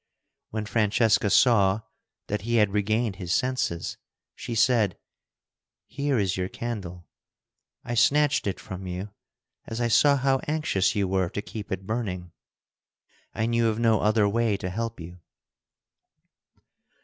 When Francesca saw that he had regained his senses, she said: "Here is your candle. I snatched it from you, as I saw how anxious you were to keep it burning. I knew of no other way to help you."